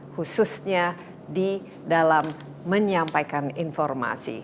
khususnya di dalam menyampaikan informasi